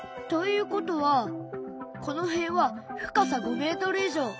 ということはこの辺は深さ５メートル以上。